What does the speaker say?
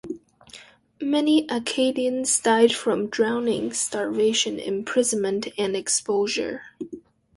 Many Acadians died from drowning, starvation, imprisonment, and exposure.